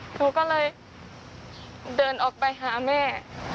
หนูก็เลยเดินออกไปหาแม่